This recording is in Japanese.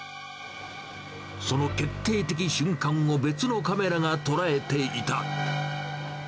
その決定的瞬間を別のカメラが捉えていた。